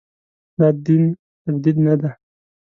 دا دین تجدید نه دی.